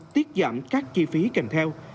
tiết giảm các chi phí cành theo